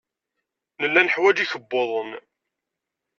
Nella neḥwaj ikebbuḍen.